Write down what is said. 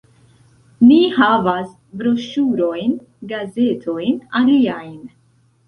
Ni havas broŝurojn, gazetojn, aliajn